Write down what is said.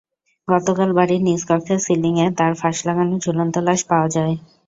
গতকাল বাড়ির নিজ কক্ষের সিলিংয়ে তার ফাঁস লাগানো ঝুলন্ত লাশ পাওয়া যায়।